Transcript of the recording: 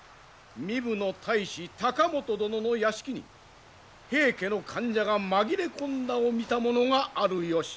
壬生の大史隆職殿の屋敷に平家の間者が紛れ込んだを見た者があるよし。